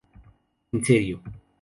En serio.